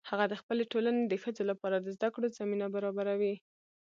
هغه د خپلې ټولنې د ښځو لپاره د زده کړو زمینه برابروي